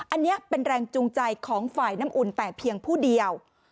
อันนี้เป็นแรงจูงใจของฝ่ายน้ำอุ่นแต่เพียงผู้เดียว